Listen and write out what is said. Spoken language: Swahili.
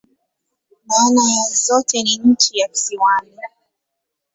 Maana ya zote ni "nchi ya kisiwani.